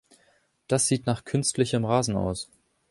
Das sieht nach künstlichem Rasen aus.